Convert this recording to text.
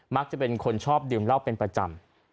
มักจะเป็นคนชอบดื่มเหล้าเป็นประจำ